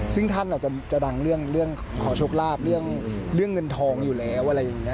ซึ่งท่านอาจจะดังเรื่องขอโชคลาภเรื่องเงินทองอยู่แล้วอะไรอย่างนี้